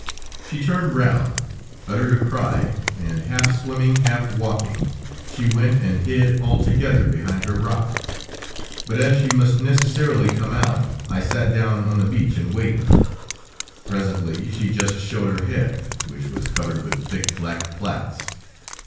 She turned round, uttered a cry, and half swimming, half walking, she went and hid altogether behind her rock; but as she must necessarily come out, I sat down on the beach and waited. Presently, she just showed her head, which was covered with thick black plaits.